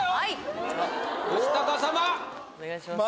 お願いします